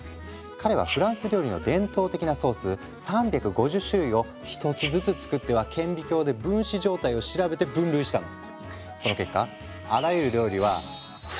彼はフランス料理の伝統的なソース３５０種類を１つずつ作っては顕微鏡で分子状態を調べて分類したんだ。